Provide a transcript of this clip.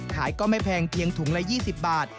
ก็ไม่แพงเพียงถุงละ๒๐บาท